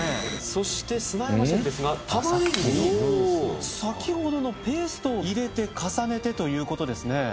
そして砂山シェフですが玉ねぎに先ほどのペーストを入れて重ねてということですね